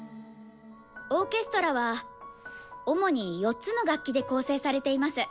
オーケストラは主に４つの楽器で構成されています。